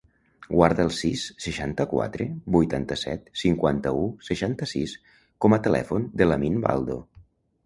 Guarda el sis, seixanta-quatre, vuitanta-set, cinquanta-u, seixanta-sis com a telèfon de l'Amin Baldo.